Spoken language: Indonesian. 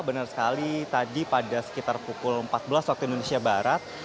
benar sekali tadi pada sekitar pukul empat belas waktu indonesia barat